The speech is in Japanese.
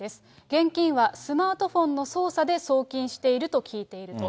現金はスマートフォンの操作で送金していると聞いていると。